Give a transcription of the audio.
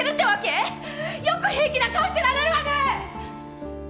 よく平気な顔してられるわね！